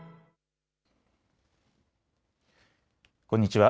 こんにちは。